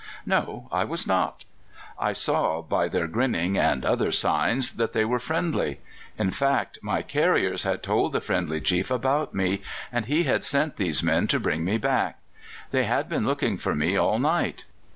No, I was not. I saw by their grinning and other signs that they were friendly. In fact, my carriers had told the friendly chief about me, and he had sent these men to bring me back; they had been looking for me all night.